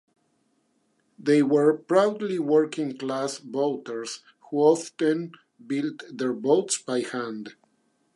They were "proudly working class" boaters who often built their boats by hand.